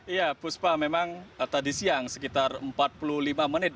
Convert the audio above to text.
iya puspa memang tadi siang sekitar empat puluh lima menit